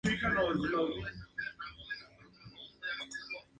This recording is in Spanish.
Al cruzar la "calle La Pampa" se ingresa a Villa Urquiza.